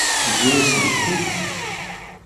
Yeǧǧa-yasent-t-id?